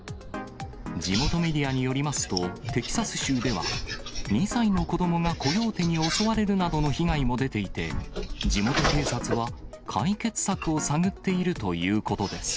地元メディアによりますと、テキサス州では、２歳の子どもがコヨーテに襲われるなどの被害も出ていて、地元警察は、解決策を探っているということです。